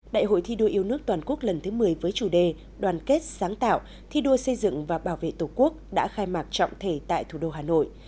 đại hội thi đua yêu nước toàn quốc lần thứ một mươi với chủ đề đoàn kết sáng tạo thi đua xây dựng và bảo vệ tổ quốc đã khai mạc trọng thể tại thủ đô hà nội